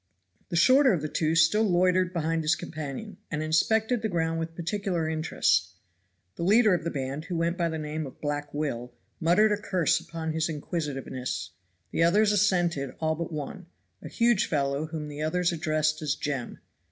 The shorter of the two still loitered behind his companion, and inspected the ground with particular interest. The leader of the band, who went by the name of Black Will, muttered a curse upon his inquisitiveness. The others assented all but one, a huge fellow whom the others addressed as Jem.